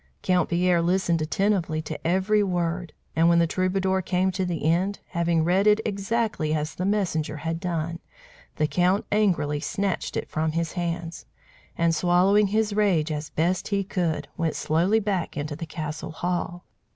Count Pierre listened attentively to every word, and when the troubadour came to the end, having read it exactly as the messenger had done, the count angrily snatched it from his hands, and, swallowing his rage as best he could, went slowly back to the castle hall.